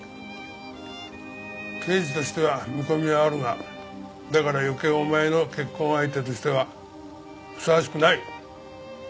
刑事としては見込みはあるがだから余計お前の結婚相手としてはふさわしくない。